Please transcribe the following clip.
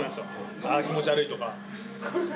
あー、気持ち悪いとか。